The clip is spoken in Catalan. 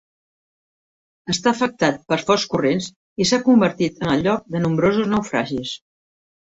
Està afectat per forts corrents i s'ha convertit en el lloc de nombrosos naufragis.